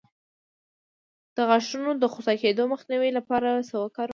د غاښونو د خوسا کیدو مخنیوي لپاره څه وکاروم؟